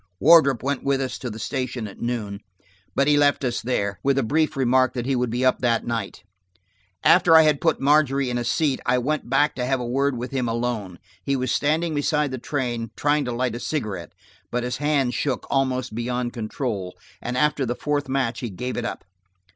Wardrop went with us to the station at noon, but he left us there, with a brief remark that he would be up that night. After I had put Margery in a seat, I went back to have a word with him alone. He was standing beside the train, trying to light a cigarette, but his hand shook almost beyond control, and after the fourth match he gave it up.